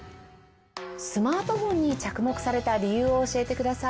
スマートフォンに着目された理由を教えてください。